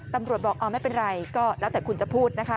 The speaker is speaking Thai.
ตำรวจบอกไม่เป็นไรก็แล้วแต่คุณจะพูดนะคะ